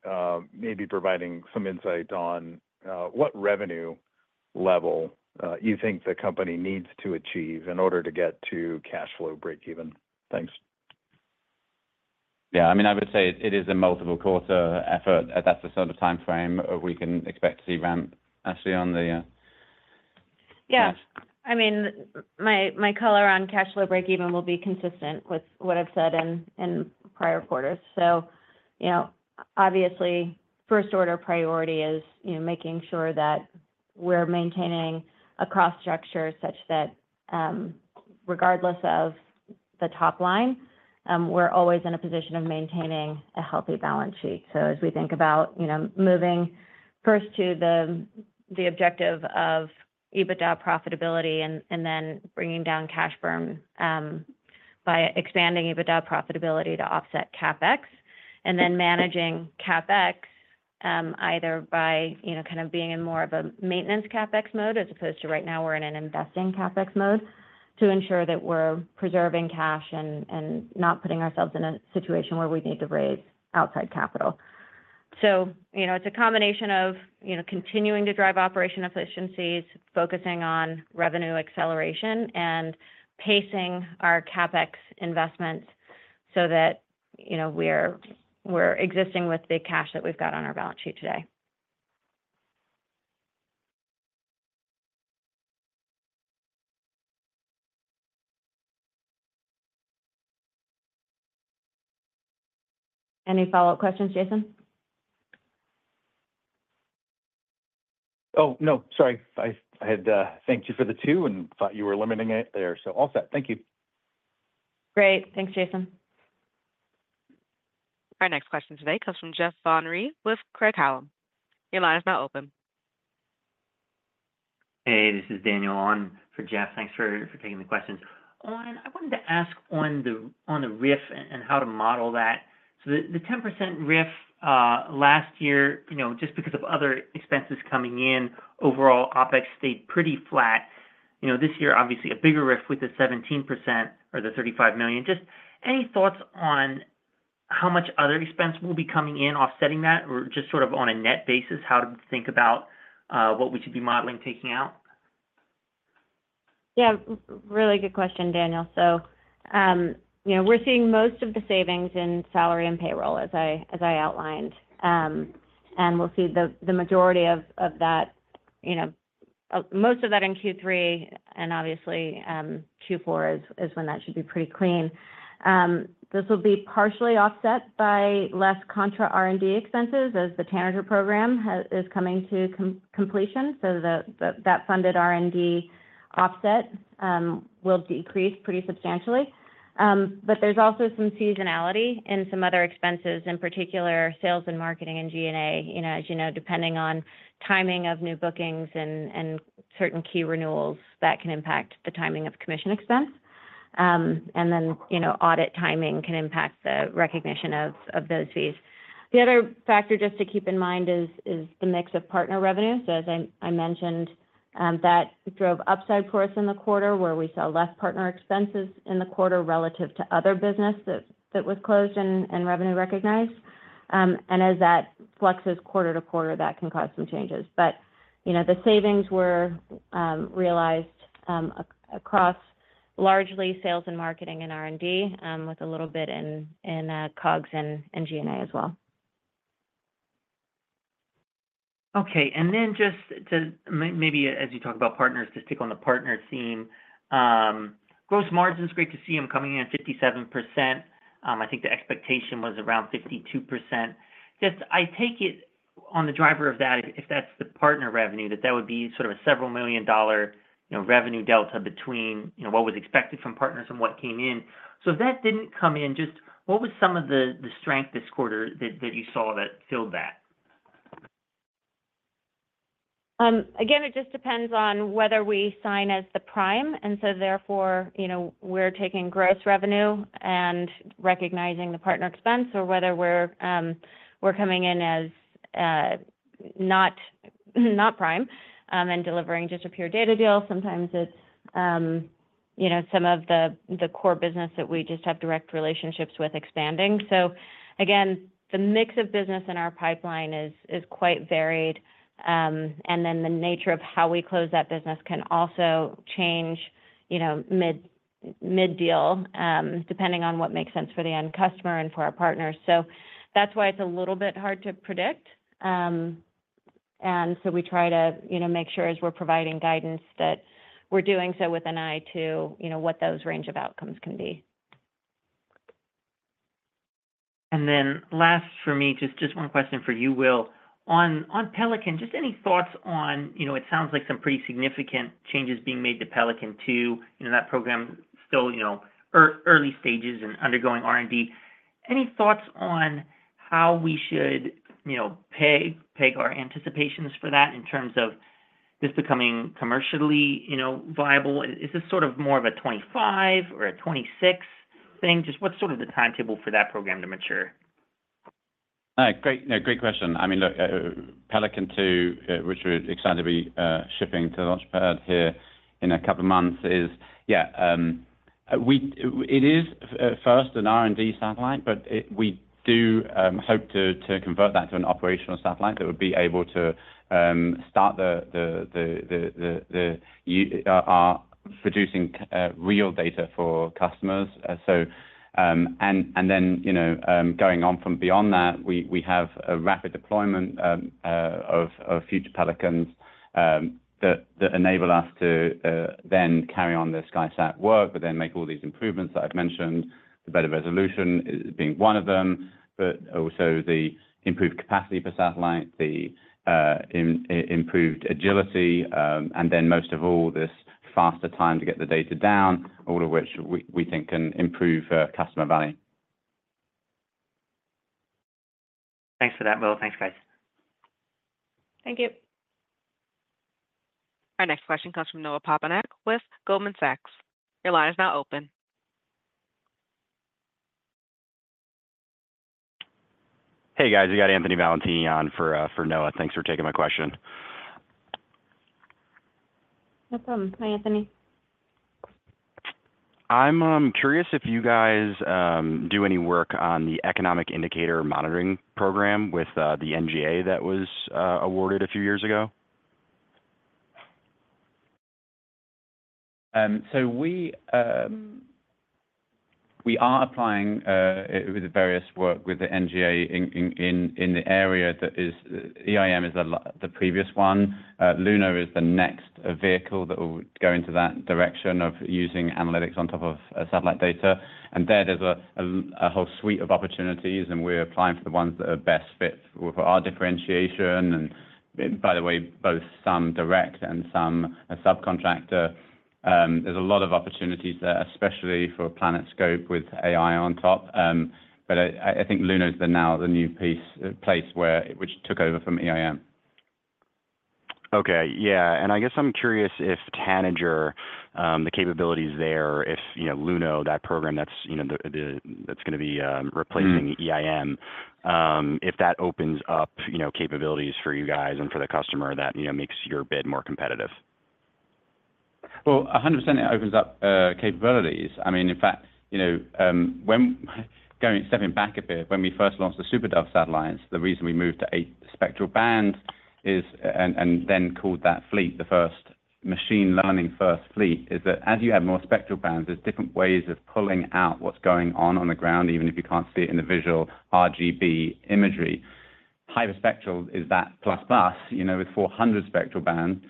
maybe providing some insight on, what revenue level, you think the company needs to achieve in order to get to cash flow breakeven. Thanks. .Yeah, I mean, I would say it is a multiple quarter effort, and that's the sort of timeframe we can expect to see ramp. Ashley, on the, Yeah. I mean, my color on cash flow breakeven will be consistent with what I've said in prior quarters. So, you know, obviously, first order priority is, you know, making sure that we're maintaining a cost structure such that, regardless of the top line, we're always in a position of maintaining a healthy balance sheet. So as we think about, you know, moving first to the objective of EBITDA profitability and then bringing down cash burn, by expanding EBITDA profitability to offset CapEx, and then managing CapEx, either by, you know, kind of being in more of a maintenance CapEx mode, as opposed to right now we're in an investing CapEx mode, to ensure that we're preserving cash and not putting ourselves in a situation where we need to raise outside capital. So, you know, it's a combination of, you know, continuing to drive operational efficiencies, focusing on revenue acceleration, and pacing our CapEx investments so that, you know, we're existing with the cash that we've got on our balance sheet today. Any follow-up questions, Jason? Oh, no, sorry. I had thanked you for the two and thought you were limiting it there, so all set. Thank you. Great. Thanks, Jason. Our next question today comes from Jeff Van Rhee with Craig-Hallum. Your line is now open. Hey, this is Daniel on for Jeff. Thanks for taking the questions. I wanted to ask on the RIF and how to model that. So the 10% RIF last year, you know, just because of other expenses coming in, overall, OpEx stayed pretty flat. You know, this year, obviously a bigger RIF with the 17% or the $35 million. Just any thoughts on how much other expense will be coming in offsetting that, or just sort of on a net basis, how to think about what we should be modeling taking out? Yeah, really good question, Daniel. So, you know, we're seeing most of the savings in salary and payroll, as I outlined. And we'll see the majority of that, you know, most of that in Q3, and obviously, Q4 is when that should be pretty clean. This will be partially offset by less contra R&D expenses as the Tanager program is coming to completion, so that funded R&D offset will decrease pretty substantially. But there's also some seasonality in some other expenses, in particular, sales and marketing and G&A. You know, as you know, depending on timing of new bookings and certain key renewals, that can impact the timing of commission expense. And then, you know, audit timing can impact the recognition of those fees. The other factor just to keep in mind is the mix of partner revenues. So as I mentioned, that drove upside for us in the quarter, where we saw less partner expenses in the quarter relative to other business that was closed and revenue recognized. And as that fluxes quarter-to-quarter, that can cause some changes. But you know, the savings were realized across largely sales and marketing and R&D, with a little bit in COGS and G&A as well. Okay, and then just to maybe as you talk about partners, just take on the partner theme. Gross margins, great to see them coming in at 57%. I think the expectation was around 52%. Just, I take it on the driver of that, if that's the partner revenue, that would be sort of a several million dollar, you know, revenue delta between, you know, what was expected from partners and what came in. So if that didn't come in, just what was some of the, the strength this quarter that, that you saw that filled that? Again, it just depends on whether we sign as the prime, and so therefore, you know, we're taking gross revenue and recognizing the partner expense, or whether we're coming in as not prime and delivering just a pure data deal. Sometimes it's, you know, some of the core business that we just have direct relationships with expanding. So again, the mix of business in our pipeline is quite varied, and then the nature of how we close that business can also change, you know, mid-deal, depending on what makes sense for the end customer and for our partners. So that's why it's a little bit hard to predict. and so we try to, you know, make sure as we're providing guidance, that we're doing so with an eye to, you know, what those range of outcomes can be. And then last for me, just one question for you, Will. On Pelican, just any thoughts on, you know, it sounds like some pretty significant changes being made to Pelican-2. You know, that program still, you know, early stages and undergoing R&D. Any thoughts on how we should, you know, peg our anticipations for that in terms of this becoming commercially, you know, viable? Is this sort of more of a 2025 or a 2026 thing? Just what's sort of the timetable for that program to mature? Great question. I mean, look, Pelican-2, which we're excited to be shipping to the launch pad here in a couple of months, yeah, it is first an R&D satellite, but we do hope to convert that to an operational satellite that would be able to start producing real data for customers. So, and then, you know, going on from beyond that, we have a rapid deployment of future Pelicans that enable us to then carry on the SkySat work, but then make all these improvements that I've mentioned, the better resolution being one of them, but also the improved capacity for satellite, the improved agility, and then most of all, this faster time to get the data down, all of which we think can improve customer value. Thanks for that, Will. Thanks, guys. Thank you. Our next question comes from Noah Poponak with Goldman Sachs. Your line is now open. Hey, guys. You got Anthony Valentini on for Noah. Thanks for taking my question. No problem. Hi, Anthony. I'm curious if you guys do any work on the Economic Indicator Monitoring program with the NGA that was awarded a few years ago? So we are applying with the various work with the NGA in the area that is, EIM is the previous one. Luno is the next vehicle that will go into that direction of using analytics on top of satellite data. And then there's a whole suite of opportunities, and we're applying for the ones that are best fit for our differentiation. And by the way, both some direct and some as a subcontractor, there's a lot of opportunities there, especially for PlanetScope with AI on top. But I think Luno is now the new piece which took over from EIM. Okay. Yeah. And I guess I'm curious if Tanager, the capabilities there, if, you know, Luno, that program, you know, that's gonna be replacing Mm-hmm EIM, if that opens up, you know, capabilities for you guys and for the customer that, you know, makes your bid more competitive. 100%, it opens up capabilities. I mean, in fact, you know, stepping back a bit, when we first launched the SuperDove satellites, the reason we moved to eight spectral band is, and then called that fleet, the first machine learning first fleet, is that as you add more spectral bands, there's different ways of pulling out what's going on on the ground, even if you can't see it in the visual RGB imagery. Hyperspectral is that plus plus, you know, with 400 spectral band.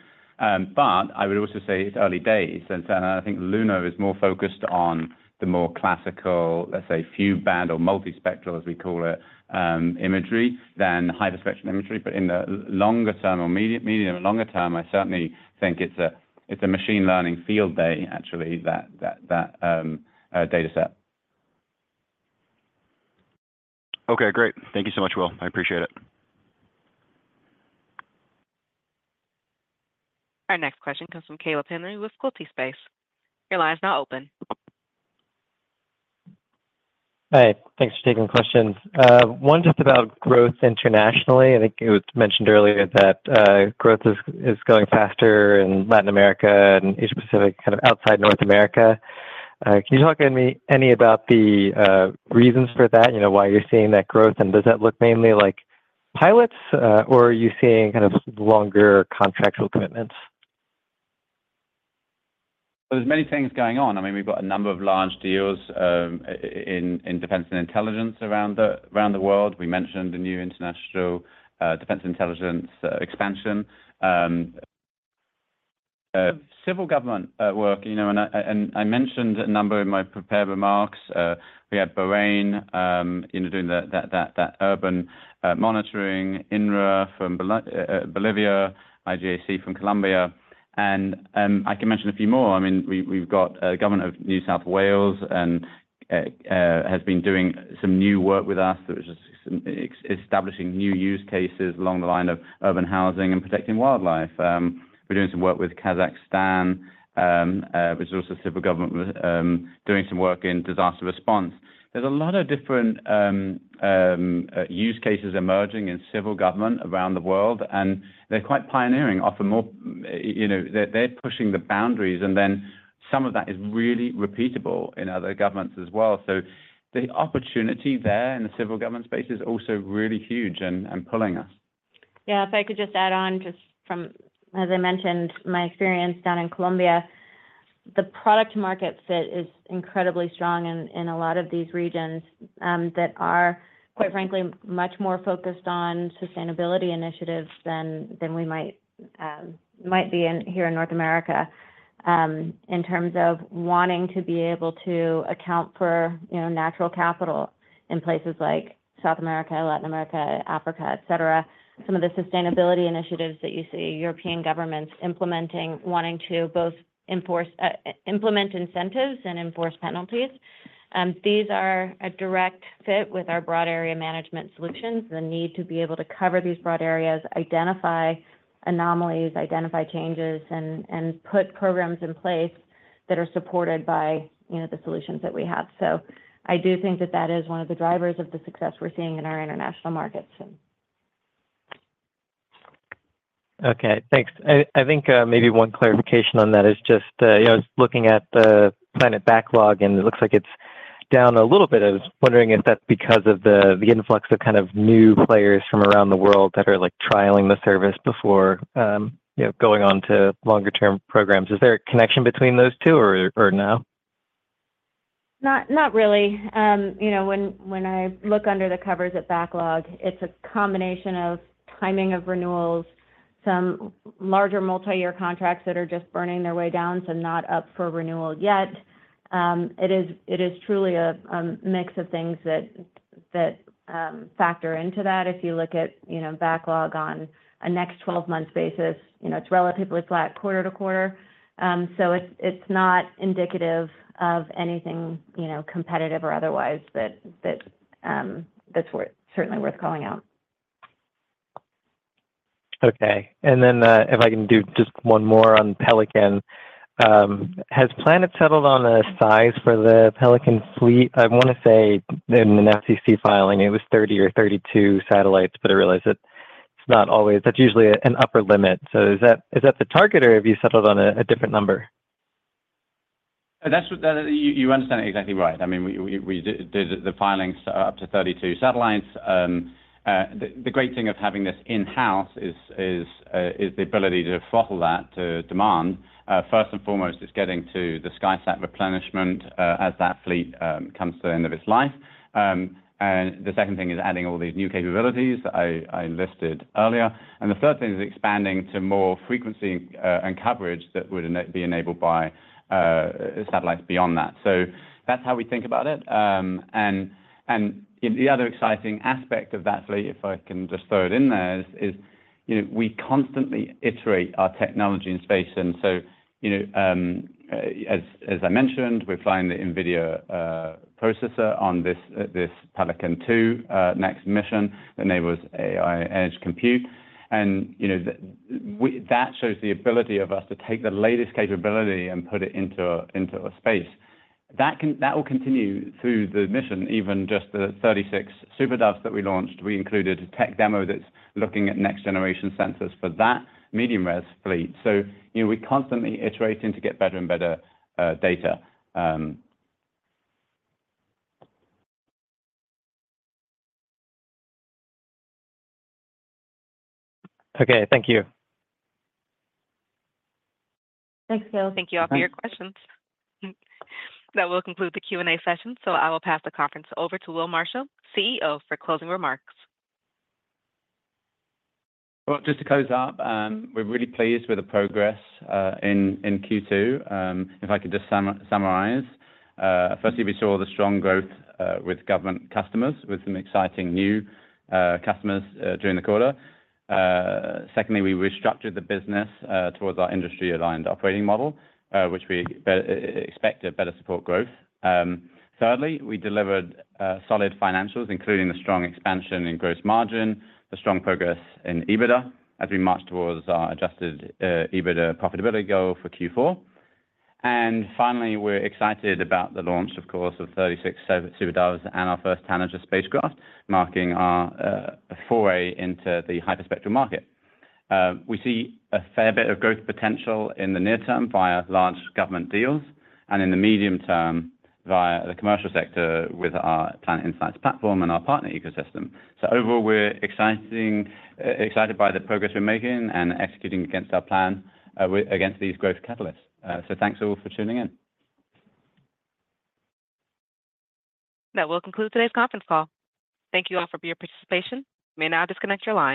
But I would also say it's early days, and I think Luno is more focused on the more classical, let's say, few band or multispectral, as we call it, imagery, than hyperspectral imagery. But in the medium and longer term, I certainly think it's a machine learning field day, actually, that data set. Okay, great. Thank you so much, Will. I appreciate it. Our next question comes from Caleb Henry with Quilty Space. Your line is now open. Hi, thanks for taking the questions. One just about growth internationally. I think it was mentioned earlier that growth is going faster in Latin America and Asia-Pacific, kind of outside North America. Can you talk to me any about the reasons for that, you know, why you're seeing that growth? And does that look mainly like pilots, or are you seeing kind of longer contractual commitments? There's many things going on. I mean, we've got a number of large deals in defense and intelligence around the world. We mentioned the new international defense intelligence expansion. Civil government work, you know, and I mentioned a number in my prepared remarks. We had Bahrain doing that urban monitoring, INRA from Bolivia, IGAC from Colombia. And I can mention a few more. I mean, we've got government of New South Wales and has been doing some new work with us, which is establishing new use cases along the line of urban housing and protecting wildlife. We're doing some work with Kazakhstan, which is also civil government doing some work in disaster response. There's a lot of different use cases emerging in civil government around the world, and they're quite pioneering. Often more, you know, they're pushing the boundaries, and then some of that is really repeatable in other governments as well. So the opportunity there in the civil government space is also really huge and pulling us. Yeah, if I could just add on, just from, as I mentioned, my experience down in Colombia, the product market fit is incredibly strong in a lot of these regions that are, quite frankly, much more focused on sustainability initiatives than we might be here in North America. In terms of wanting to be able to account for, you know, natural capital in places like South America, Latin America, Africa, etc. Some of the sustainability initiatives that you see European governments implementing, wanting to both enforce and implement incentives and enforce penalties. These are a direct fit with our broad area management solutions, the need to be able to cover these broad areas, identify anomalies, identify changes, and put programs in place that are supported by, you know, the solutions that we have. I do think that that is one of the drivers of the success we're seeing in our international markets. Okay, thanks. I, I think, maybe one clarification on that is just, you know, I was looking at the Planet backlog, and it looks like it's down a little bit. I was wondering if that's because of the, the influx of kind of new players from around the world that are, like, trialing the service before, you know, going on to longer term programs. Is there a connection between those two or-no? Not really. You know, when I look under the covers at backlog, it's a combination of timing of renewals, some larger multi-year contracts that are just burning their way down, so not up for renewal yet. It is truly a mix of things that factor into that. If you look at backlog on a next 12-month basis, you know, it's relatively flat quarter-to-quarter. So it's not indicative of anything, you know, competitive or otherwise, but that's certainly worth calling out. Okay. And then, if I can do just one more on Pelican. Has Planet settled on a size for the Pelican fleet? I want to say in an FCC filing, it was 30 or 32 satellites, but I realize that it's not always. That's usually an upper limit. So is that the target, or have you settled on a different number? That's what you understand it exactly right. I mean, we did the filings up to 32 satellites. The great thing of having this in-house is the ability to throttle that to demand. First and foremost, it's getting to the SkySat replenishment as that fleet comes to the end of its life. And the second thing is adding all these new capabilities that I enlisted earlier. And the third thing is expanding to more frequency and coverage that would be enabled by satellites beyond that. So that's how we think about it. And the other exciting aspect of that fleet, if I can just throw it in there, is, you know, we constantly iterate our technology in space. You know, as I mentioned, we find the NVIDIA processor on this Pelican-2 next mission enables AI edge compute. You know, that shows the ability of us to take the latest capability and put it into space. That will continue through the mission. Even just the 36 SuperDoves that we launched, we included a tech demo that's looking at next-generation sensors for that medium res fleet. You know, we're constantly iterating to get better and better data. Okay, thank you. Thanks, will. Thank you all for your questions. That will conclude the Q&A session, so I will pass the conference over to Will Marshall, CEO, for closing remarks. Just to close up, we're really pleased with the progress in Q2. If I could just summarize. Firstly, we saw the strong growth with government customers, with some exciting new customers during the quarter. Secondly, we restructured the business towards our industry-aligned operating model, which we expect to better support growth. Thirdly, we delivered solid financials, including the strong expansion in gross margin, the strong progress in EBITDA, as we march towards our adjusted EBITDA profitability goal for Q4. And finally, we're excited about the launch, of course, of 36 SuperDoves and our first Tanager spacecraft, marking our foray into the hyperspectral market. We see a fair bit of growth potential in the near term via large government deals, and in the medium term, via the commercial sector with our Planet Insights Platform and our Partner Ecosystem. So overall, we're excited by the progress we're making and executing against our plan against these growth catalysts. So thanks, all, for tuning in. That will conclude today's conference call. Thank you all for your participation. You may now disconnect your lines.